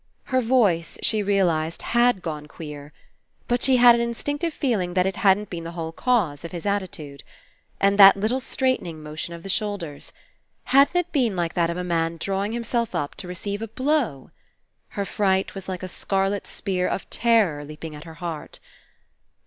Her voice, she realized, had gone queer. But she had an Instinctive feeling that It hadn't been the whole cause of his attitude. And that little straightening motion of the shoulders. Hadn't It been like that of a man drawing him self up to receive a blow? Her fright was like a scarlet spear of terror leaping at her heart.